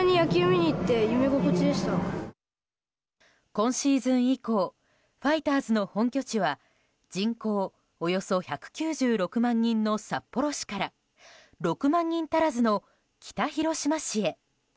今シーズン以降ファイターズの本拠地は人口およそ１９６万人の札幌市から６万人足らずの北広島市へ。